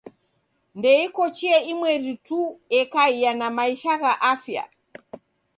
Ndeiko chia imweri tu ekaia na maisha gha afya.